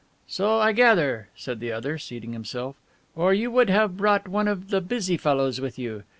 "So I gather," said the other, seating himself, "or you would have brought one of the 'busy fellows' with you.